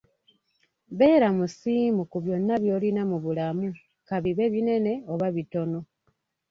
Beera musiimu ku byonna by'olina mu bulamu kabibe binene oba bitono.